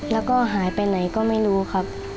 แล้วก็หายไปไหนก็ไม่รู้ครับ